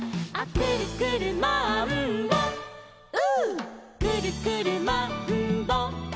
「くるくるマンボウ！」